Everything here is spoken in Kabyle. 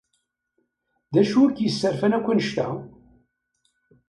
D acu i k-yesserfan akk annect-a?